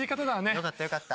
よかったよかった。